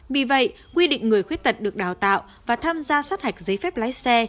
vì vậy quy định người khuyết tật được đào tạo và tham gia sát hạch giấy phép lái xe